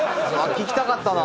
聞きたかったなあ。